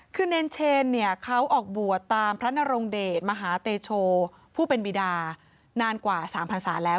คือเนรเชนเนี่ยเขาออกบวชตามพระนรงเดชมหาเตโชผู้เป็นบิดานานกว่า๓พันศาแล้ว